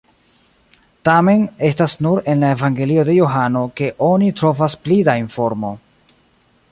Tamen, estas nur en la Evangelio de Johano ke oni trovas pli da informo.